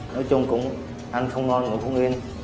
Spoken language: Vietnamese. nói chung ăn không ngon cũng không yên